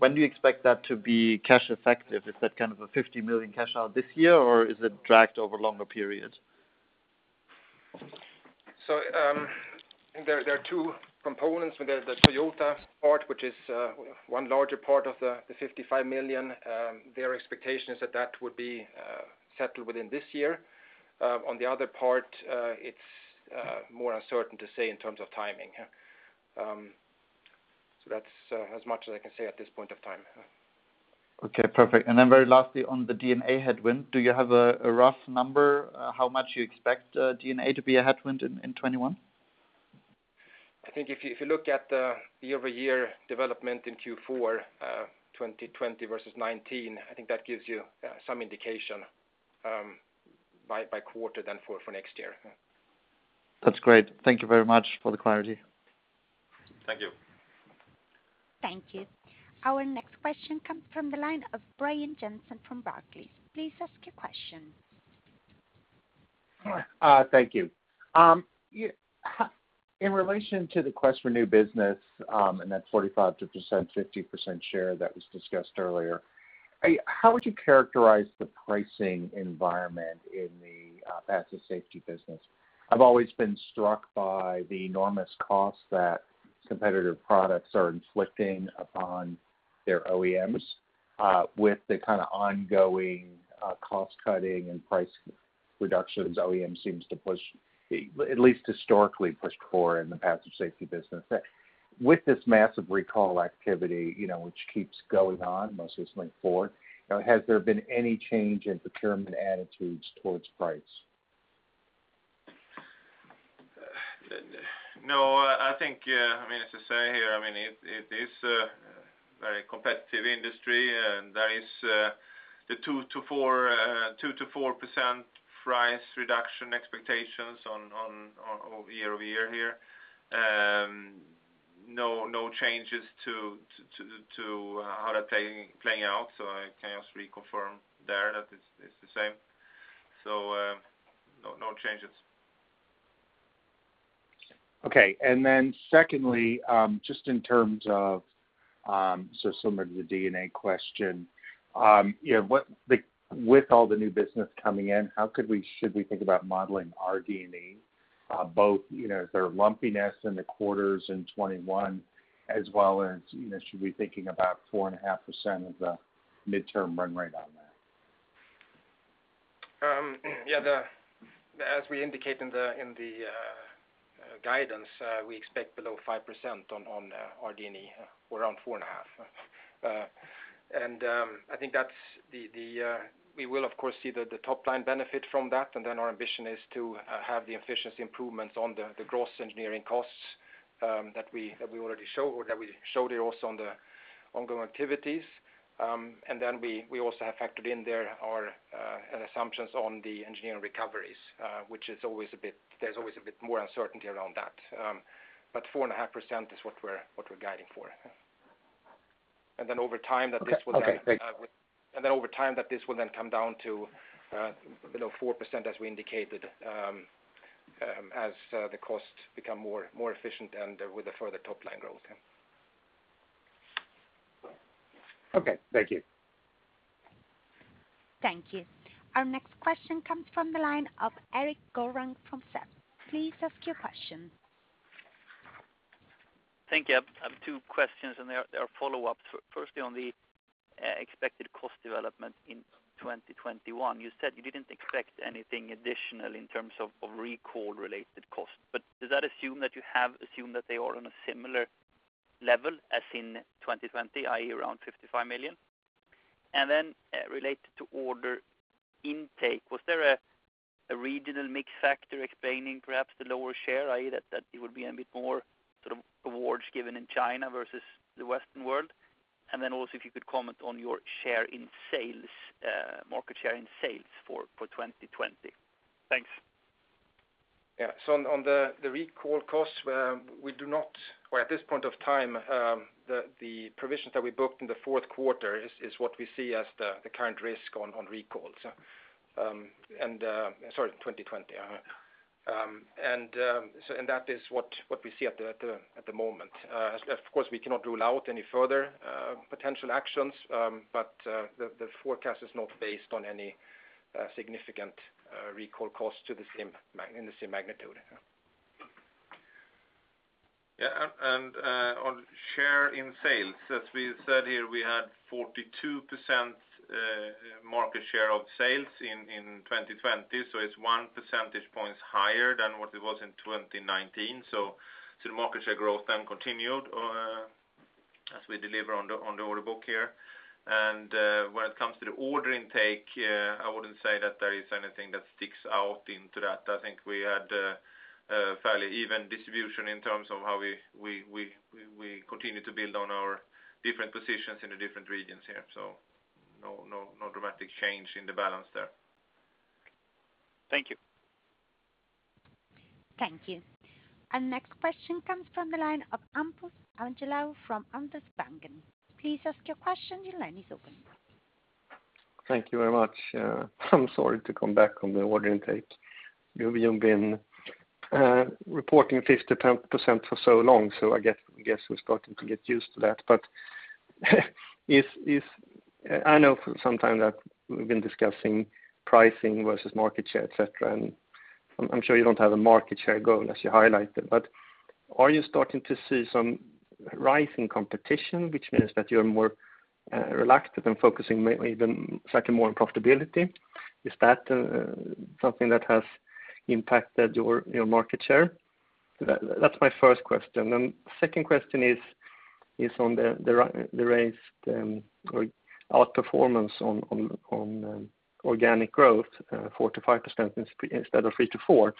Speaker 12: when do you expect that to be cash effective? Is that kind of a $50 million cash out this year, or is it dragged over longer periods?
Speaker 3: There are two components. The Toyota part, which is one larger part of the $55 million, their expectation is that would be settled within this year. On the other part, it's more uncertain to say in terms of timing. That's as much as I can say at this point of time.
Speaker 12: Okay, perfect. Then very lastly, on the D&A headwind, do you have a rough number how much you expect D&A to be a headwind in 2021?
Speaker 3: I think if you look at the year-over-year development in Q4 2020 versus 2019, I think that gives you some indication by quarter than for next year.
Speaker 12: That's great. Thank you very much for the clarity.
Speaker 3: Thank you.
Speaker 4: Thank you. Our next question comes from the line of Brian Johnson from Barclays. Please ask your question.
Speaker 13: Thank you. In relation to the quest for new business, and that 45%-50% share that was discussed earlier, how would you characterize the pricing environment in the passive safety business? I've always been struck by the enormous cost that competitive products are inflicting upon their OEMs, with the kind of ongoing cost cutting and price reductions OEMs seems to, at least historically, pushed for in the passive safety business. With this massive recall activity which keeps going on, most recently Ford, has there been any change in procurement attitudes towards price?
Speaker 2: I think, as I say here, it is a very competitive industry, and there is the 2%-4% price reduction expectations on year-over-year here. Changes to how that playing out. I can also reconfirm there that it's the same. No changes.
Speaker 13: Okay. Secondly, just in terms of, similar to the D&A question, with all the new business coming in, how should we think about modeling our RD&E, both their lumpiness in the quarters in 2021, as well as should we be thinking about 4.5% of the midterm run rate on that?
Speaker 3: Yeah. As we indicate in the guidance, we expect below 5% on our RD&E, or around 4.5%. I think we will of course see the top line benefit from that, our ambition is to have the efficiency improvements on the gross engineering costs that we already show, or that we showed here also on the ongoing activities. We also have factored in there our assumptions on the engineering recoveries, which there's always a bit more uncertainty around that. 4.5% is what we're guiding for.
Speaker 13: Okay, great.
Speaker 3: Over time that this will then come down to below 4%, as we indicated, as the costs become more efficient and with a further top line growth.
Speaker 13: Okay. Thank you.
Speaker 4: Thank you. Our next question comes from the line of Erik Golrang from SEB. Please ask your question.
Speaker 14: Thank you. I have two questions and they are follow-ups. Firstly, on the expected cost development in 2021, you said you didn't expect anything additional in terms of recall related costs. Does that assume that you have assumed that they are on a similar level as in 2020, i.e., around $55 million? Related to order intake, was there a regional mix factor explaining perhaps the lower share, i.e., that it would be a bit more sort of awards given in China versus the Western world? Also if you could comment on your market share in sales for 2020. Thanks.
Speaker 3: Yeah. On the recall costs, at this point of time, the provisions that we booked in the fourth quarter is what we see as the current risk on recalls. Sorry, 2020. That is what we see at the moment. Of course, we cannot rule out any further potential actions, but the forecast is not based on any significant recall costs in the same magnitude.
Speaker 2: Yeah. On share in sales, as we said here, we had 42% market share of sales in 2020. It's one percentage point higher than what it was in 2019. The market share growth then continued as we deliver on the order book here. When it comes to the order intake, I wouldn't say that there is anything that sticks out into that. I think we had a fairly even distribution in terms of how we continue to build on our different positions in the different regions here. No dramatic change in the balance there.
Speaker 14: Thank you.
Speaker 4: Thank you. Our next question comes from the line of Hampus Engellau from Handelsbanken. Please ask your question. Your line is open.
Speaker 15: Thank you very much. I'm sorry to come back on the order intake. You've been reporting 50% for so long, so I guess we're starting to get used to that. I know for some time that we've been discussing pricing versus market share, et cetera, and I'm sure you don't have a market share goal as you highlighted, but are you starting to see some rise in competition, which means that you're more relaxed and focusing maybe even slightly more on profitability? Is that something that has impacted your market share? That's my first question. Second question is on the raised outperformance on organic growth 4% to 5% instead of 3% to 4%.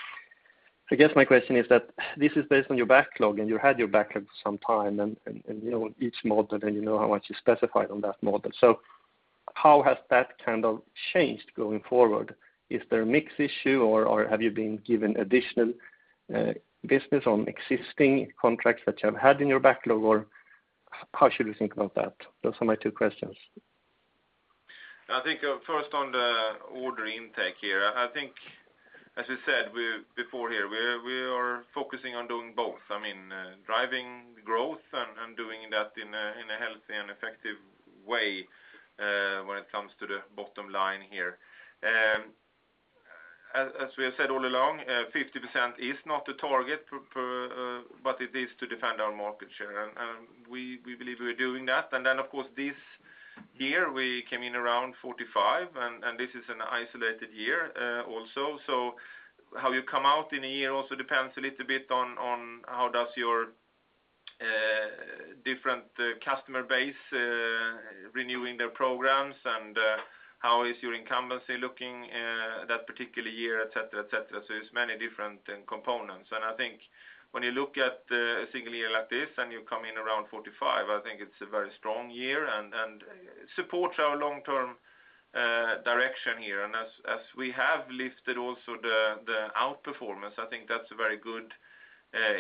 Speaker 15: I guess my question is that this is based on your backlog, and you had your backlog for some time, and you know each model, and you know how much you specified on that model. How has that changed going forward? Is there a mix issue, or have you been given additional business on existing contracts that you have had in your backlog, or how should we think about that? Those are my two questions.
Speaker 2: I think first on the order intake here, I think, as we said before here, we are focusing on doing both. Driving growth and doing that in a healthy and effective way when it comes to the bottom line here. As we have said all along, 50% is not the target, but it is to defend our market share, and we believe we are doing that. Then, of course, this year we came in around 45%, and this is an isolated year also. How you come out in a year also depends a little bit on how does your different customer base renewing their programs and how is your incumbency looking that particular year, et cetera. There's many different components. I think when you look at a single year like this and you come in around 45%, I think it's a very strong year and supports our long-term direction here. As we have lifted also the outperformance, I think that's a very good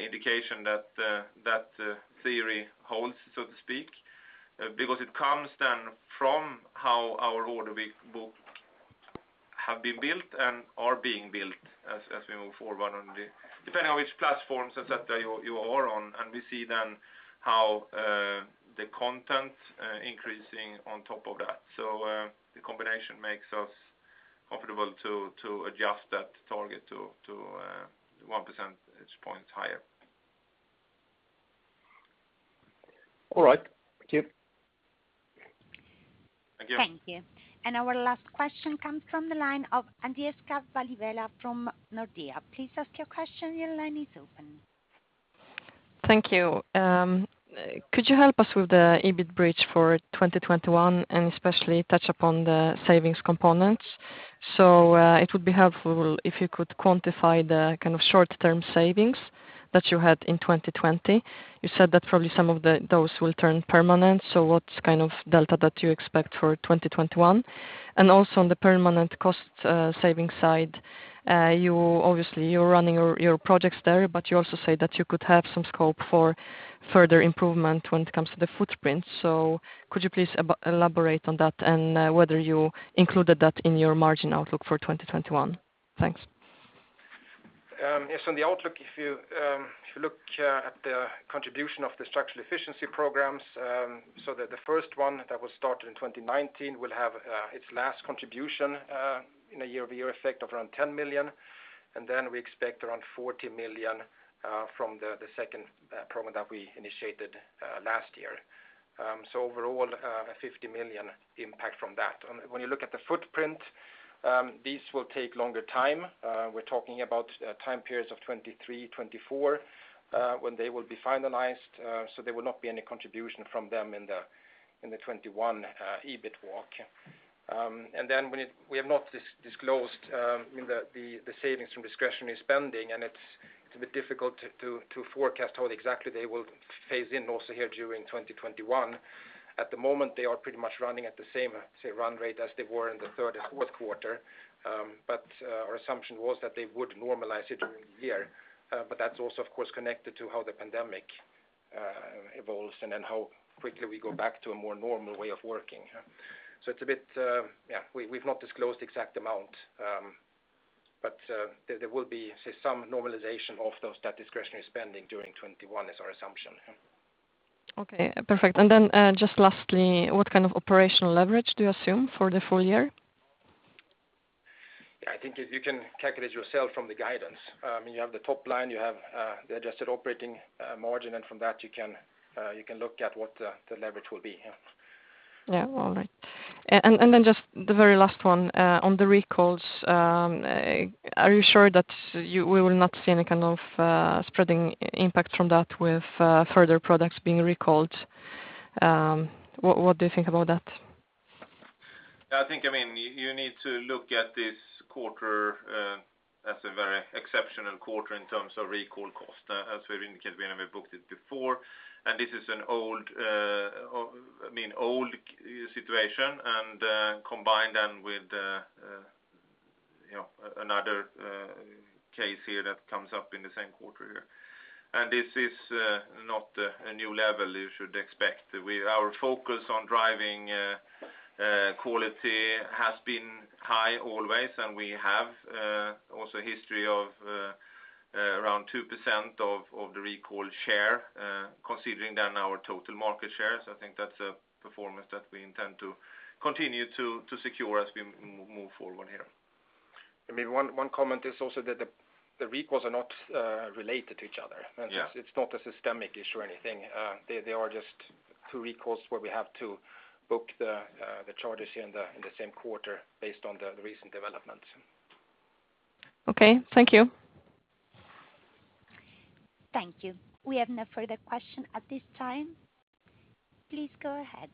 Speaker 2: indication that theory holds, so to speak. It comes then from how our order book have been built and are being built as we move forward depending on which platforms, et cetera, you are on. We see then how the content increasing on top of that. The combination makes us comfortable to adjust that target to one percentage points higher.
Speaker 15: All right. Thank you.
Speaker 2: Thank you.
Speaker 4: Thank you. Our last question comes from the line of Agnieszka Vilela from Nordea. Please ask your question. Your line is open.
Speaker 16: Thank you. Could you help us with the EBIT bridge for 2021 and especially touch upon the savings components? It would be helpful if you could quantify the short-term savings that you had in 2020. You said that probably some of those will turn permanent, what kind of delta that you expect for 2021? Also on the permanent cost savings side, obviously you're running your projects there, you also say that you could have some scope for further improvement when it comes to the footprint. Could you please elaborate on that and whether you included that in your margin outlook for 2021? Thanks.
Speaker 3: Yes. On the outlook, if you look at the contribution of the structural efficiency programs, the first one that was started in 2019 will have its last contribution in a year-over-year effect of around $10 million. We expect around $40 million from the second program that we initiated last year. Overall, a $50 million impact from that. When you look at the footprint, these will take longer time. We're talking about time periods of 2023, 2024, when they will be finalized. There will not be any contribution from them in the 2021 EBIT walk. We have not disclosed the savings from discretionary spending, and it's a bit difficult to forecast how exactly they will phase in also here during 2021. At the moment, they are pretty much running at the same, say, run rate as they were in the third and fourth quarter. Our assumption was that they would normalize it during the year. That's also of course connected to how the pandemic evolves and then how quickly we go back to a more normal way of working. We've not disclosed the exact amount, but there will be, say, some normalization of that discretionary spending during 2021 is our assumption.
Speaker 16: Okay, perfect. Just lastly, what kind of operational leverage do you assume for the full year?
Speaker 3: I think you can calculate yourself from the guidance. You have the top line, you have the adjusted operating margin, and from that you can look at what the leverage will be.
Speaker 16: Yeah. All right. Just the very last one, on the recalls, are you sure that we will not see any kind of spreading impact from that with further products being recalled? What do you think about that?
Speaker 2: I think you need to look at this quarter as a very exceptional quarter in terms of recall cost, as we indicated, we never booked it before. This is an old situation and combined then with another case here that comes up in the same quarter here. This is not a new level you should expect. Our focus on driving quality has been high always, and we have also a history of around 2% of the recall share, considering then our total market share. I think that's a performance that we intend to continue to secure as we move forward here.
Speaker 3: One comment is also that the recalls are not related to each other.
Speaker 2: Yeah.
Speaker 3: It's not a systemic issue or anything. They are just two recalls where we have to book the charges here in the same quarter based on the recent developments.
Speaker 16: Okay. Thank you.
Speaker 4: Thank you. We have no further question at this time. Please go ahead.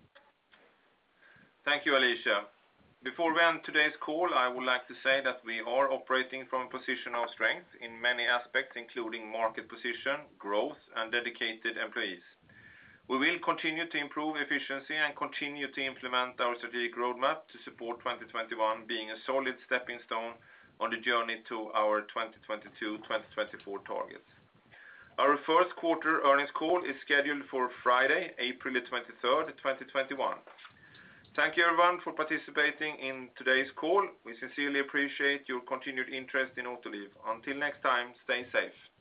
Speaker 2: Thank you, Alicia. Before we end today's call, I would like to say that we are operating from a position of strength in many aspects, including market position, growth, and dedicated employees. We will continue to improve efficiency and continue to implement our strategic roadmap to support 2021 being a solid stepping stone on the journey to our 2022-2024 targets. Our first quarter earnings call is scheduled for Friday, April the 23rd, 2021. Thank you, everyone, for participating in today's call. We sincerely appreciate your continued interest in Autoliv. Until next time, stay safe.